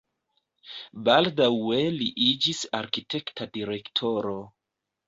Baldaŭe li iĝis arkitekta direktoro.